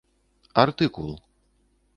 Артыкул.